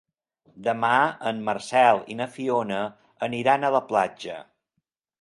Demà en Marcel i na Fiona aniran a la platja.